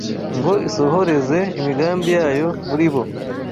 ngo isohoreze imigambi yayo muri bo.